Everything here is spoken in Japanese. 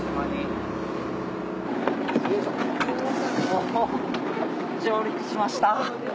おっ上陸しました。